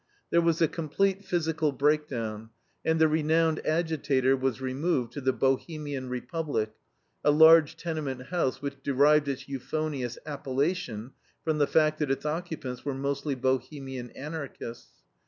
There was a complete physical breakdown, and the renowned agitator was removed to the "Bohemian Republic" a large tenement house which derived its euphonious appellation from the fact that its occupants were mostly Bohemian Anarchists.